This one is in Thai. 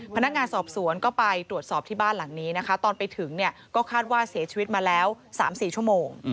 พนักงานสอบสวนก็ไปตรวจสอบที่บ้านหลังนี้นะคะตอนไปถึงเนี่ยก็คาดว่าเสียชีวิตมาแล้ว๓๔ชั่วโมง